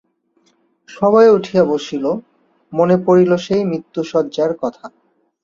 সভয়ে উঠিয়া বসিল, মনে পড়িল সেই মৃত্যুশয্যার কথা।